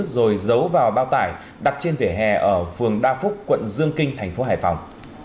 rồi giấu vào bao tải đặt trên vỉa hè ở phường đa phúc quận dương kinh tp hải phòng